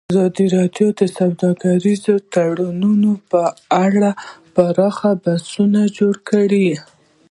ازادي راډیو د سوداګریز تړونونه په اړه پراخ بحثونه جوړ کړي.